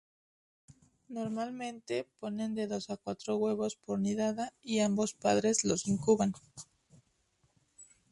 Normalmente ponen de dos a cuatro huevos por nidada y ambos padres los incuban.